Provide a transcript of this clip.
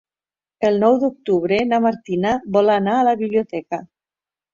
El nou d'octubre na Martina vol anar a la biblioteca.